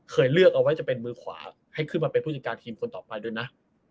เลือกเอาไว้จะเป็นมือขวาให้ขึ้นมาเป็นผู้จัดการทีมคนต่อไปด้วยนะ